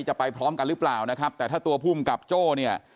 จะไปพร้อมกันหรือเปล่านะครับแต่ถ้าตัวภูมิกับโจ้เนี่ย